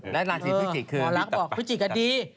และราศีพิจิกษ์คือหมอลักษมณ์บอกว่าพิจิกษ์อ่ะดี